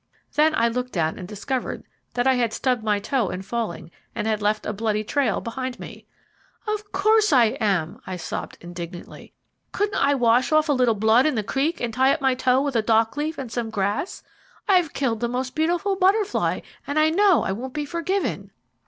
Then I looked down and discovered that I had stubbed my toe in falling, and had left a bloody trail behind me. "Of course I am!" I sobbed indignantly. "Couldn't I wash off a little blood in the creek, and tie up my toe with a dock leaf and some grass? I've killed the most beautiful butterfly, and I know I won't be forgiven!"